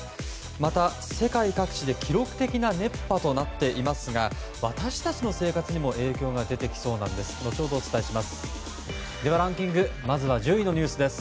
また、世界各地で記録的な熱波となっていますが私たちの生活にも影響が出てきそうなんです。